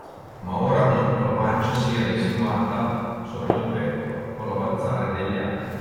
Ma ora una piccola pancia si era insinuata sotto il petto, con l’avanzare degli anni.